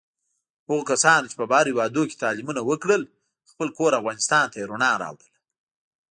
هغو کسانو چې بهر هېوادونوکې تعلیمونه وکړل، خپل کور افغانستان ته یې رڼا راوړله.